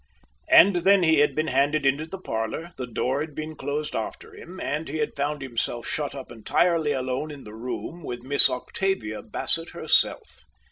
And then he had been handed into the parlor, the door had been closed behind him, and he had found himself shut up entirely alone in the room with Miss Octavia Bassett herself.